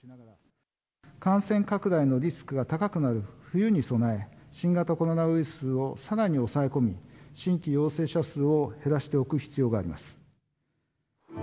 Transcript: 感染拡大のリスクが高くなる冬に備え、新型コロナウイルスをさらに抑え込み、新規陽性者数を減らしておく必要があります。